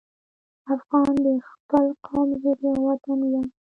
افغان د خپل قوم، ژبې او وطن ویاړ دی.